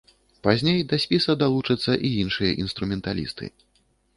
Пазней да спіса далучацца і іншыя інструменталісты.